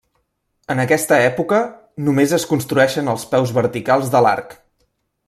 En aquesta època, només es construeixen els peus verticals de l'arc.